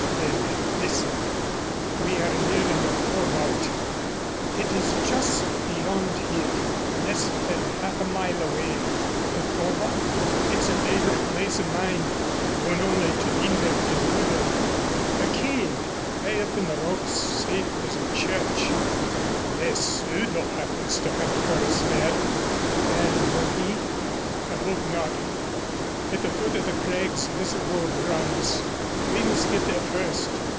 "Then listen. We are nearing the Thorwald. It is just beyond here, less than half a mile away." "The Thorwald?" "It's a favorite place of mine, known only to Lindberg and Udo, a cave high up in the rocks, safe as a church, unless Udo happens to hunt for us there." "And will he?" "I hope not. At the foot of the crags this road runs. We must get there first.